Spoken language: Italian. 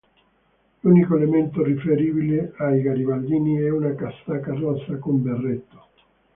L'unico elemento riferibile ai garibaldini è una casacca rossa con berretto.